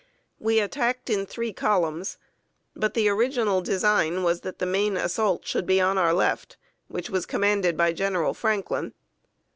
We attacked in three columns; but the original design was that the main assault should be on our left, which was commanded by General Franklin.